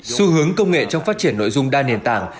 xu hướng công nghệ trong phát triển nội dung đa nền tảng